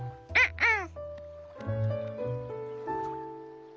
うん？